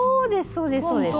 そうですそうです！